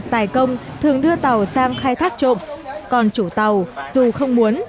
tài công thường đưa tàu sang khai thác trộm còn chủ tàu dù không muốn